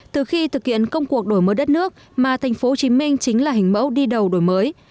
từ khi thực hiện công cuộc đổi mới đất nước mà thành phố hồ chí minh chính là hình mẫu đi đầu đổi mới